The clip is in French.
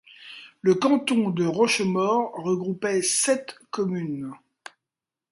Le canton de Rochemaure regroupait sept communes.